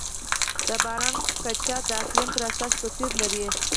د باران کچه د اقلیم پر اساس توپیر لري.